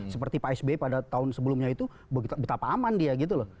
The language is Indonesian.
seperti pak sby pada tahun sebelumnya itu betapa aman dia gitu loh